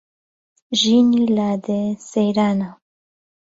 ژینی لادێ سەیرانە